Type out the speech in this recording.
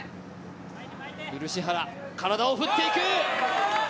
漆原、体を振っていく。